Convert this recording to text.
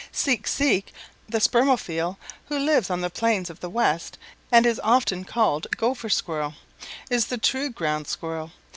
Seek Seek the Spermophile who lives on the plains of the West and is often called Gopher Squirrel, is the true Ground Squirrel.